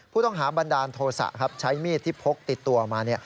ผู้ต้องหาบันดาลโทษะใช้มีดที่พกติดตัวมา